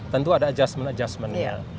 tentu ada adjustment adjustmentnya